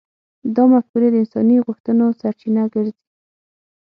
دا مفکورې د انساني غوښتنو سرچینه ګرځي.